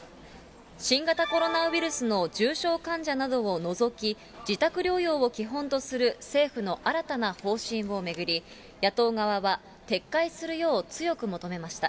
新型コロナウイルスの重症患者などを除き、自宅療養を基本とする政府の新たな方針を巡り、野党側は撤回するよう強く求めました。